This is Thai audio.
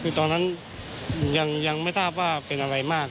คือตอนนั้นยังไม่ทราบว่าเป็นอะไรมาก